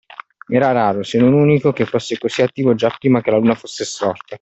Era raro, se non unico, che fosse così attivo già prima che la luna fosse sorta.